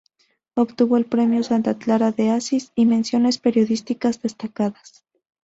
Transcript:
Obtuvo el premio Santa Clara de Asís y menciones periodísticas destacadas.